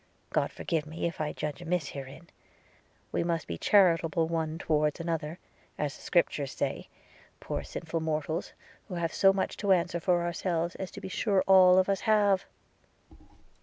God forgive me if I judge amiss herein! – We must be charitable one towards another, as the Scripture says, poor sinful mortals, who have so much to answer for ourselves, as to be sure all of us have!